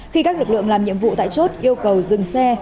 khi các lực lượng làm nhiệm vụ tại chốt yêu cầu dừng xe